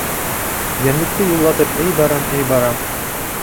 Йәнлекте юллатып, эй барам, эй барам.